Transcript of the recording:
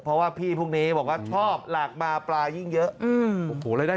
เพราะว่าพี่พวกนี้บอกว่าชอบหลากมาปลายิ่งเยอะ